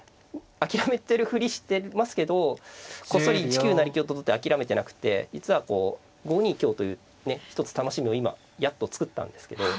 諦めてるふりしてますけどこっそり１九成香と取って諦めてなくて実はこう５二香という一つ楽しみを今やっと作ったんですけど。